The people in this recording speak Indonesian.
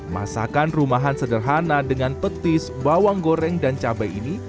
masakan rumahan sederhana dengan petis bawang goreng dan cabai ini